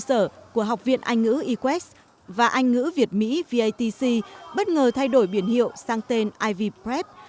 cơ sở của học viện anh ngữ equest và anh ngữ việt mỹ vatc bất ngờ thay đổi biển hiệu sang tên ivy prep